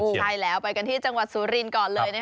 โอเคแล้วไปกันที่จังหวัดสูรินะก่อนเลย